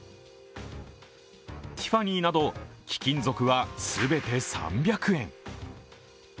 ティファニーなど貴金属は全て３００円。